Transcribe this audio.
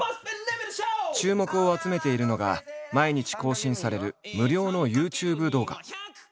注目を集めているのが毎日更新される無料のＹｏｕＴｕｂｅ動画。